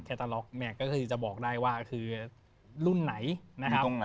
ตาล็อกเนี่ยก็คือจะบอกได้ว่าคือรุ่นไหนนะครับ